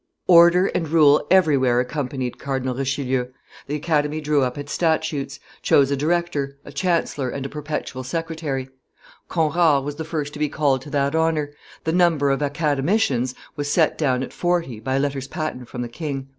Order and rule everywhere accompanied Cardinal Richelieu; the Academy drew up its statutes, chose a director, a chancellor, and a perpetual secretary: Conrart was the first to be called to that honor; the number of Academicians was set down at forty by letters patent from the king.